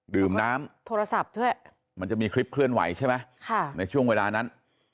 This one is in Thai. ดื่มน้ำมันจะมีคลิปเคลื่อนไหวใช่ไหมในช่วงเวลานั้น